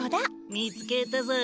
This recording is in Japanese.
見つけたぞ。